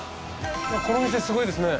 この店すごいですね。